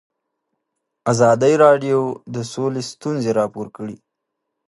ازادي راډیو د سوله ستونزې راپور کړي.